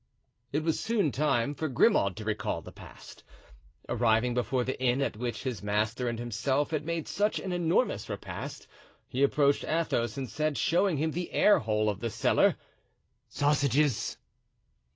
It was soon time for Grimaud to recall the past. Arriving before the inn at which his master and himself had made such an enormous repast, he approached Athos and said, showing him the airhole of the cellar: "Sausages!"